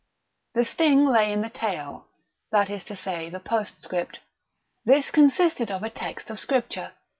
The sting lay in the tail, that is to say, the postscript. This consisted of a text of Scripture.